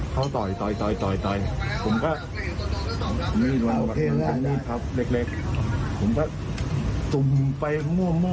เขาบอกว่าใจเย็นผมก็เลยทิ้งใจว่า